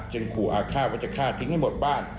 ขู่อาฆาตว่าจะฆ่าทิ้งให้หมดบ้าน